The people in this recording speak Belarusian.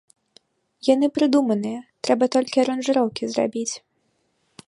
Яны прыдуманыя, трэба толькі аранжыроўкі зрабіць.